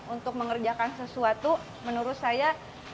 untuk mengerjakan sesuatu menurut saya